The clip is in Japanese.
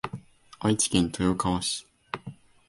愛知県豊川市